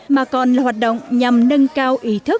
mà còn là hoạt động nhằm nâng cao ý